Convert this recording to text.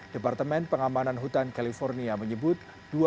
departemen pengamanan hutan california menyebut